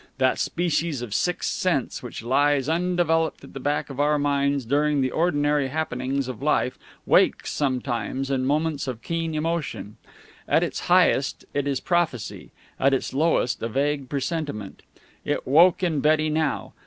That species of sixth sense which lies undeveloped at the back of our minds during the ordinary happenings of life wakes sometimes in moments of keen emotion. At its highest, it is prophecy; at its lowest, a vague presentiment. It woke in Betty now.